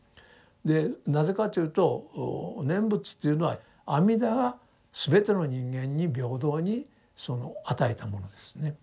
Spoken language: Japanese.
でなぜかというと念仏というのは阿弥陀が全ての人間に平等にその与えたものですね。